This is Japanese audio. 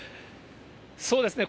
そうですね。